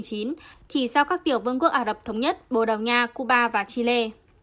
chỉ sau các tiểu vương quốc ả rập thống nhất bồ đào nha cuba và chile